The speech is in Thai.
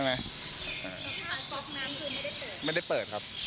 สภาพก๊อกน้ำคือไม่ได้เปิดไม่ได้เปิดครับ